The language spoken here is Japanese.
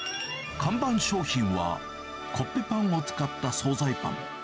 看板商品はコッペパンを使った総菜パン。